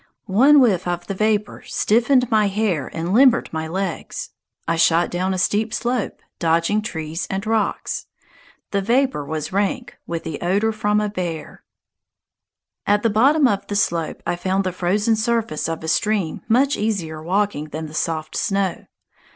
One whiff of the vapor stiffened my hair and limbered my legs. I shot down a steep slope, dodging trees and rocks. The vapor was rank with the odor from a bear. [Illustration: A SNOW SLIDE TRACK] At the bottom of the slope I found the frozen surface of a stream much easier walking than the soft snow.